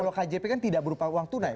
kalau kjp kan tidak berupa uang tunai